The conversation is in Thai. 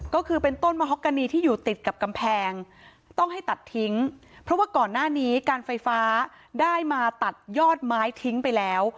ก็คือเป็นต้นมฮอกกะนีที่อยู่ติดกับกำแพงต้องให้ตัดทิ้งเพราะว่าก่อนหน้านี้การไฟฟ้าได้มาตัดยอดไม้ทิ้งไปแล้ว